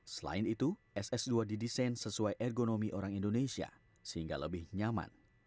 selain itu ss dua didesain sesuai ergonomi orang indonesia sehingga lebih nyaman